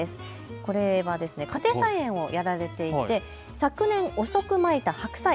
これは家庭菜園をやられていて昨年遅くまいた白菜。